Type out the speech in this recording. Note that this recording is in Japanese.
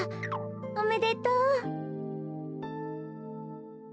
おめでとう。